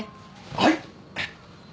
はい！